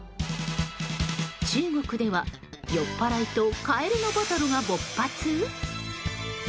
中国では酔っ払いとカエルのバトルが勃発。